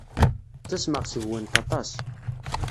Ttasmeɣ seg-went aṭas.